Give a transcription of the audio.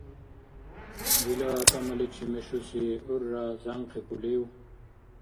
Дила тӀамаличи мешуси гӀурра зянкъикӀулив?